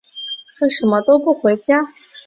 为什么都不回家？